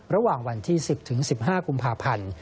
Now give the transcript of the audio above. ระหว่างวันที่๑๐๑๕กุมภาพันธ์